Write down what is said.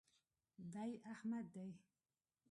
دی احمد دئ.